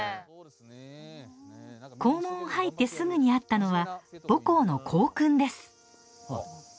校門を入ってすぐにあったのは母校の校訓ですあっ。